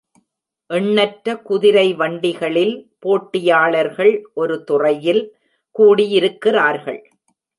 எண்ணற்ற குதிரைவண்டிகளில் போட்டியாளர்கள் ஒரு துறையில் கூடியிருக்கிறார்கள்.